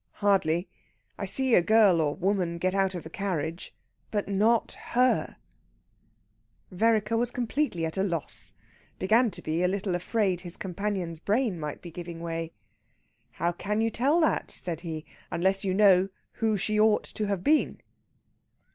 Hardly! I see a girl or woman get out of the carriage, but not her...!" Vereker was completely at a loss began to be a little afraid his companion's brain might be giving way. "How can you tell that," said he, "unless you know who she ought to have been?"